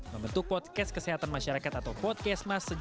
membentuk podcast kesehatan masyarakat atau podcast